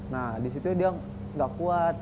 nah di situ dia nggak kuat